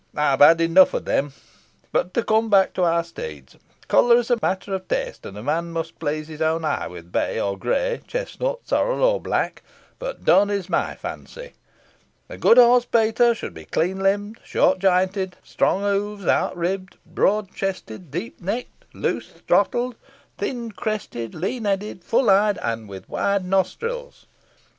"I've had enough of them. But to come back to our steeds. Colour is matter of taste, and a man must please his own eye with bay or grey, chestnut, sorrel, or black; but dun is my fancy. A good horse, Peter, should be clean limbed, short jointed, strong hoofed, out ribbed, broad chested, deep necked, loose throttled, thin crested, lean headed, full eyed, with wide nostrils.